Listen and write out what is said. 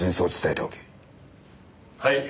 はい。